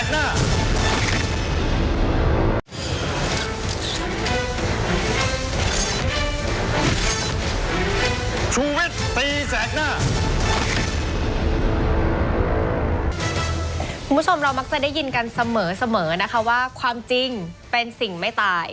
คุณผู้ชมเรามักจะได้ยินกันเสมอนะคะว่าความจริงเป็นสิ่งไม่ตาย